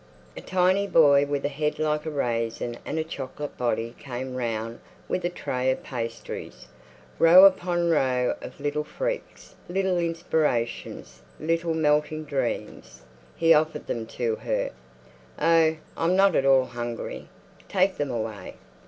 A tiny boy with a head like a raisin and a chocolate body came round with a tray of pastries—row upon row of little freaks, little inspirations, little melting dreams. He offered them to her. "Oh, I'm not at all hungry. Take them away."